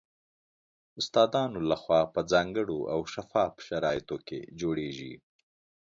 استادانو له خوا په ځانګړو او شفاف شرایطو کې جوړیږي